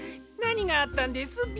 なにがあったんです？